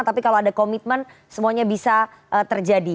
tapi kalau ada komitmen semuanya bisa terjadi